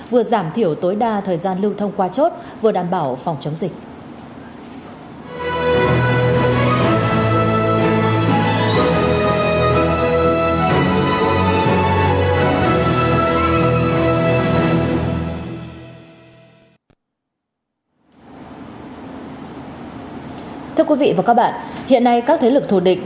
vừa giảm thiểu tối đa thời gian lưu thông qua chốt vừa đảm bảo phòng chống dịch